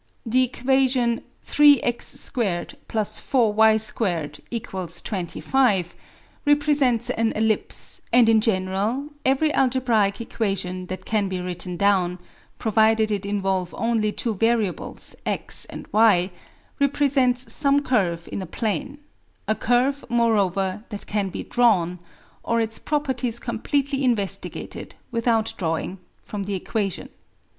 The equation 3x^2 + 4y^2 = 25 represents an ellipse; and in general every algebraic equation that can be written down, provided it involve only two variables, x and y, represents some curve in a plane; a curve moreover that can be drawn, or its properties completely investigated without drawing, from the equation.